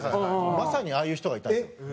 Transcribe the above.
まさにああいう人がいたんですよ。